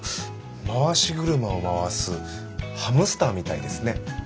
回し車を回すハムスターみたいですね。